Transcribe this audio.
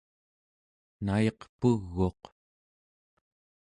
nayiq pug'uq